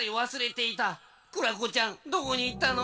クラコちゃんどこにいったの？